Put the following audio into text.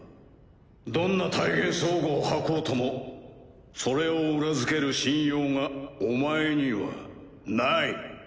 どんな大言壮語を吐こうともそれを裏付ける信用がお前にはない。